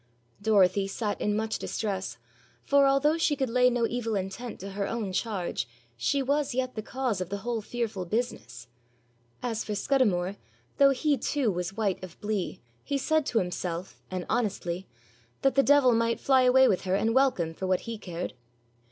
Dorothy sat in much distress, for although she could lay no evil intent to her own charge, she was yet the cause of the whole fearful business. As for Scudamore, though he too was white of blee, he said to himself, and honestly, that the devil might fly away with her and welcome for what he cared.